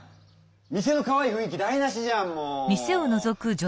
店のかわいいふんい気だいなしじゃんもう！